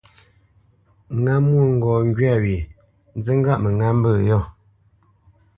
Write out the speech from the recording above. Ŋá mwôŋgɔʼ ŋgywâ wye, nzí ŋgâʼ mə ŋá mbə̂ yô.